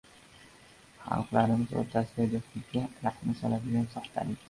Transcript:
Xalqlarimiz o‘rtasidagi do‘stlikka rahna soladigan soxtalik.